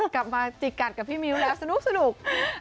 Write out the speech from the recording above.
กลับมาจิกกัดกับพี่มิ้วแล้วสนุก